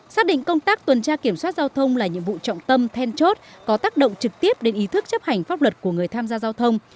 xác định công tác tuần tra kiểm soát giao thông là nhiệm vụ trọng tâm then chốt có tác động trực tiếp đến ý thức chấp hành pháp luật của người tham gia giao thông